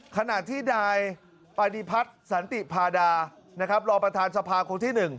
ขณะที่นายปฏิพัฒน์สันติพาดานะครับรองประธานสภาคนที่๑